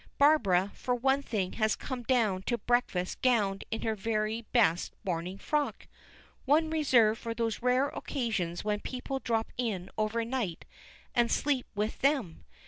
Barbara, for one thing, has come down to breakfast gowned in her very best morning frock, one reserved for those rare occasions when people drop in over night and sleep with them.